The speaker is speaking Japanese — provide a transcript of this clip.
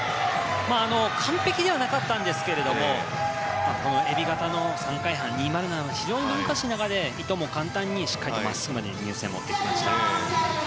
完璧ではなかったんですがえび型の３回半２０７は非常に難しい中でいとも簡単にしっかりと真っすぐ入水に持っていきました。